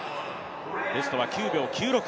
ベストは９秒９６。